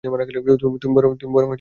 তুমি বরং ভিতরে এসো।